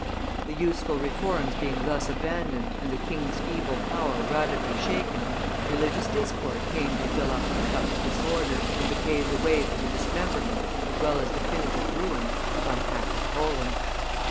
The useful reforms being thus abandoned and the king's feeble power radically shaken, religious discord came to fill up the cup of disorder, and to pave the way for the dismemberment, as well as definitive ruin, of unhappy Poland.